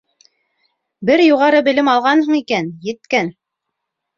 Бер юғары белем алғанһың икән, еткән!